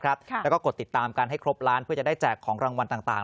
แล้วก็กดติดตามกันให้ครบล้านเพื่อจะได้แจกของรางวัลต่าง